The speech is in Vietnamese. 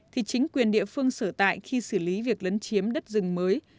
thì chính quyền địa phương sở tại khi xử lý việc lấn chiếm đất rừng mới